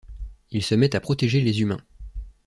Il se met a protéger les humains.